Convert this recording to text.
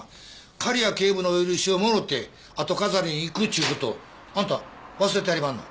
狩矢警部の許しをもろうて後飾りに行くっちゅうことあんた忘れてはりまんの？